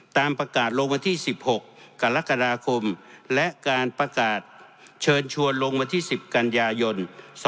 ตามประกาศลงวันที่๑๖กรกฎาคมและการประกาศเชิญชวนลงวันที่๑๐กันยายน๒๕๖